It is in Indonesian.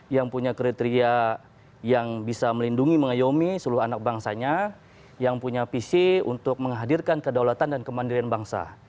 yang punya kriteria yang bisa melindungi mengayomi seluruh anak bangsanya yang punya visi untuk menghadirkan kedaulatan dan kemandirian bangsa